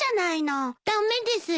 駄目ですよ。